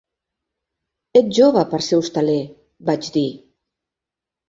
"Ets jove per ser hostaler", vaig dir.